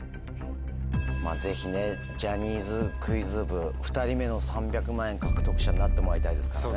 まぁぜひねジャニーズクイズ部２人目の３００万円獲得者になってもらいたいですからね。